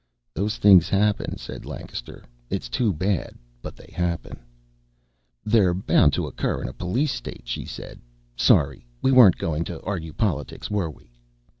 "Those things happen," said Lancaster. "It's too bad, but they happen." "They're bound to occur in a police state," she said. "Sorry. We weren't going to argue politics, were we?"